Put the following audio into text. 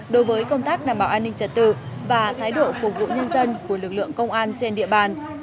đối với công tác đảm bảo an ninh trật tự và thái độ phục vụ nhân dân của lực lượng công an trên địa bàn